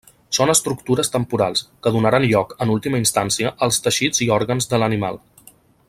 Són estructures temporals, que donaran lloc, en última instància, als teixits i òrgans de l'animal.